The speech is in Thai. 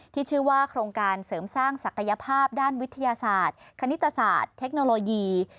ที่ชื่อว่าโครงการเสริมสร้างศักยภาพด้านวิทยาศาสตร์คณิตศาสตร์เทคโนโลยี